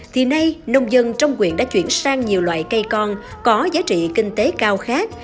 thì nay nông dân trong quyện đã chuyển sang nhiều loại cây con có giá trị kinh tế cao khác